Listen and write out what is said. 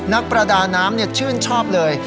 นักประดาน้ำชื่นชอบเลย